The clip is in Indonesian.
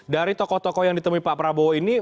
dari tokoh tokoh yang ditemui pak prabowo ini